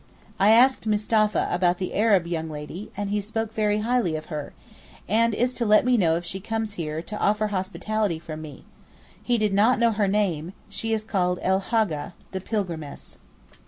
I asked Mustapha about the Arab young lady, and he spoke very highly of her, and is to let me know if she comes here and to offer hospitality from me: he did not know her name—she is called 'el Hággeh' (the Pilgrimess).